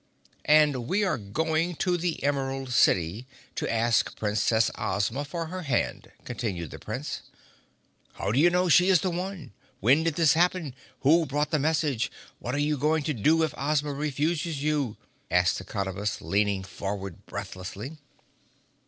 "And we are going to the Emerald City to ask Princess Ozma for her hand," continued the Prince. "How do you know she is the one? When did this happen? Who brought the message? What are you going to do if Ozma refuses you?" asked the Cottabus, leaning forward breathlessly.